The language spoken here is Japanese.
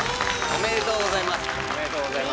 おめでとうございます。